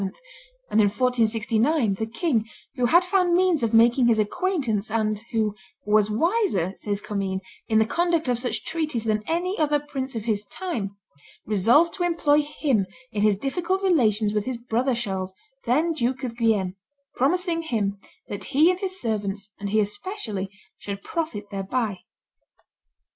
and, in 1469, the king, who had found means of making his acquaintance, and who "was wiser," says Commynes, "in the conduct of such treaties than any other prince of his time," resolved to employ him in his difficult relations with his brother Charles, then Duke of Guienne, "promising him that he and his servants, and he especially, should profit thereby."